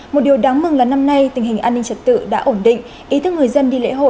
mình là một người lính